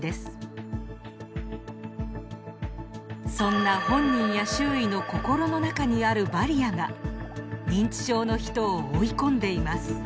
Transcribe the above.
そんな本人や周囲の心の中にあるバリアが認知症の人を追い込んでいます。